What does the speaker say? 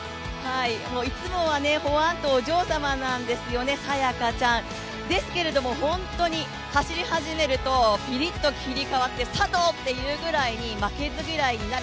いつもは、ほわーんとお嬢様なんですよね、早也伽ちゃんですけれども、走り始めるとピリっと切り替わって佐藤っていうぐらいに負けず嫌いになる。